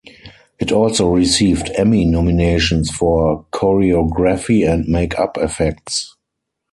It also received Emmy nominations for Choreography and Make-Up Effects.